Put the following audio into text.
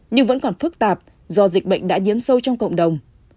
nhưng vẫn còn phức tạp do dịch bệnh đã nhiễm sâu trong cộng đồng